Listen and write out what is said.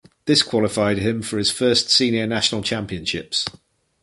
This qualified him for his first Senior national championships.